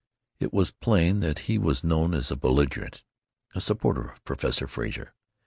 It was plain that he was known as a belligerent, a supporter of Professor Frazer.